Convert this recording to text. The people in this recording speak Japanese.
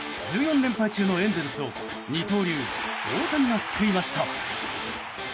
連敗中のエンゼルスを二刀流大谷が救いました。